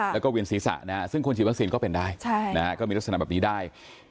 แล้วก็เวียนศีรษะซึ่งคนฉีดวัคซีนก็เป็นได้ก็มีลักษณะแบบนี้ได้